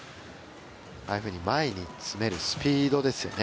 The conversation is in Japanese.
ああいうふうに前に詰めるスピードですよね